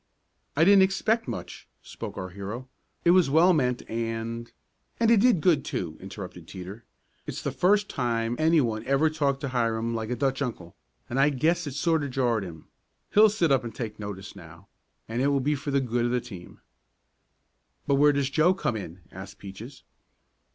"I didn't expect much," spoke our hero. "It was well meant and " "And it did good, too," interrupted Teeter. "It's the first time any one ever talked to Hiram like a Dutch Uncle, and I guess it sort of jarred him. He'll sit up and take notice now, and it will be for the good of the team." "But where does Joe come in?" asked Peaches.